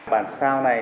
bản sao này